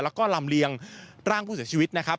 แล้วก็ลำเลียงร่างผู้เสียชีวิตนะครับ